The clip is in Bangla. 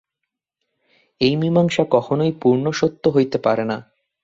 এই মীমাংসা কখনই পূর্ণসত্য হইতে পারে না।